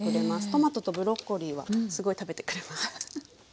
トマトとブロッコリーはすごい食べてくれます。